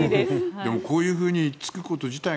でもこういうふうにつくこと自体